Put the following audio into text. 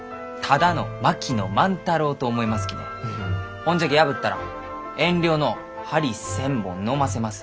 ほんじゃき破ったら遠慮のう針千本のませます。